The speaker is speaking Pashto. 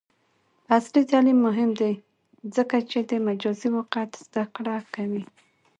عصري تعلیم مهم دی ځکه چې د مجازی واقعیت زدکړه کوي.